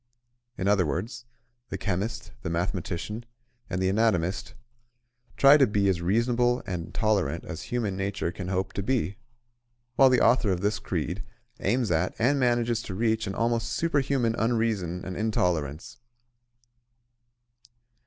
In other words, the chemist, the mathematician and the anatomist try to be as reasonable and tolerant as human nature can hope to be; while the author of this creed aims at and manages to reach an almost superhuman unreason and intolerance.